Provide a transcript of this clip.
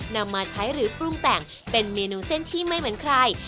นำมาใช้หรือปรุงแต่งเป็นเมนูเส้นที่ไม่เหมือนใคร